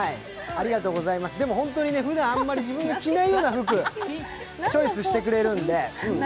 でも本当に、ふだんあんまり自分が着ないような服チョイスしてくれるんで。